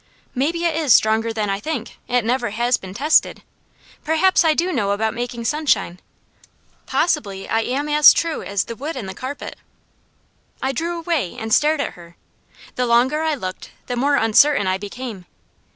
"Maybe it is stronger than I think. It never has been tested. Perhaps I do know about making sunshine. Possibly I am as true as the wood and the carpet." I drew away and stared at her. The longer I looked the more uncertain I became.